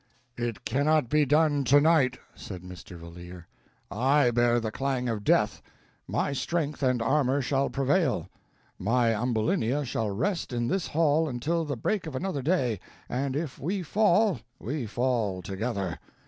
"It cannot be done tonight," said Mr. Valeer. "I bear the clang of death; my strength and armor shall prevail. My Ambulinia shall rest in this hall until the break of another day, and if we fall, we fall together.